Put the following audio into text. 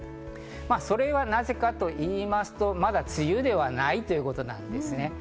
それはなぜかと言いますと、まだ梅雨ではないということなんですね。